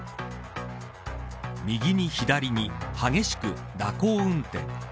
右に左に激しく蛇行運転。